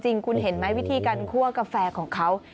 จริงคุณเห็นไหมวิธีการคั่วกาแฟของเขา